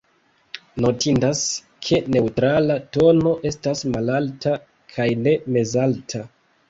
Notindas, ke neŭtrala tono estas malalta kaj ne mezalta.